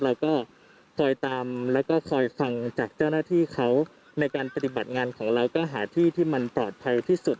เราก็คอยตามแล้วก็คอยฟังจากเจ้าหน้าที่เขาในการปฏิบัติงานของเราก็หาที่ที่มันปลอดภัยที่สุด